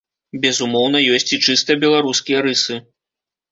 Безумоўна ёсць і чыста беларускія рысы.